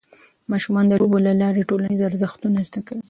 ماشومان د لوبو له لارې ټولنیز ارزښتونه زده کوي.